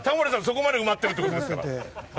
そこまで埋まってるって事ですから。